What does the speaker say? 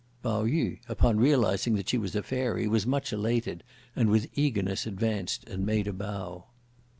Pao yü, upon realising that she was a fairy, was much elated; and with eagerness advanced and made a bow.